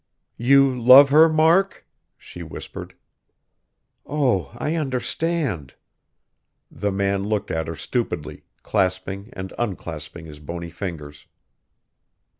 "You love her, Mark?" she whispered, "oh! I understand." The man looked at her stupidly, clasping and unclasping his bony fingers.